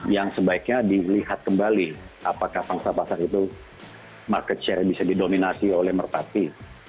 yang sebaiknya dilihat kembali apakah pangsa pasar itu market share nya bisa didominasi oleh merpati